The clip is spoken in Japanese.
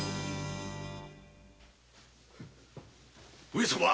上様！